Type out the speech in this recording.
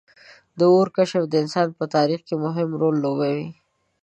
• د اور کشف د انسان په تاریخ کې مهم رول لوبولی.